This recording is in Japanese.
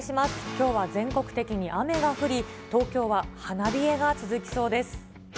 きょうは全国的に雨が降り、東京は花冷えが続きそうです。